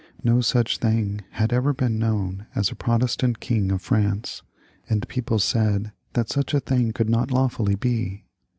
No such thing had ever been known as a Protestant King of France, and people said that such a thing coidd not lawfully be.